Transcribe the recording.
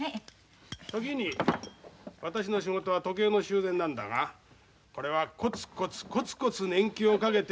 時に私の仕事は時計の修繕なんだがこれはコツコツコツコツ年季をかけて。